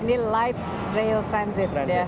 ini light rail transit ya